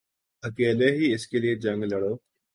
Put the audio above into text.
اکیلے ہی اس کیلئے جنگ لڑو